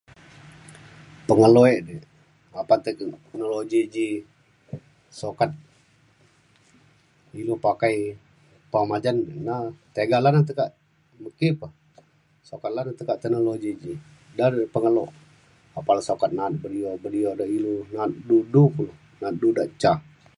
pengeluek di apan teknologi ji sukat ilu pakai lepa majan na tiga lan na tekak ki pah. sukat lan tekak teknologi ji. da de pengelo apan le sukat na’at video video de ilu na’at du kulu na’at du dak ca